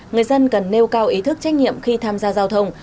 người dân cần nêu cao ý thức trách nhiệm khi tham gia giao thông